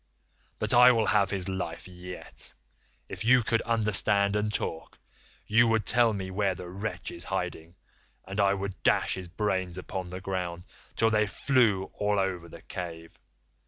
But I will have his life yet. If you could understand and talk, you would tell me where the wretch is hiding, and I would dash his brains upon the ground till they flew all over the cave.